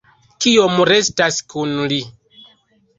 Kiom restas kun li?